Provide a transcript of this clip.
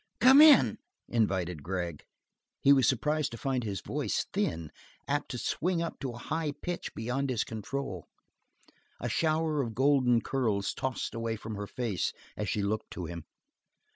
"Come in," invited Gregg. He was surprised to find his voice thin, apt to swing up to a high pitch beyond his control. A shower of golden curls tossed away from her face as she looked to him.